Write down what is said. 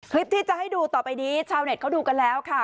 คลิปที่จะให้ดูต่อไปนี้ชาวเน็ตเขาดูกันแล้วค่ะ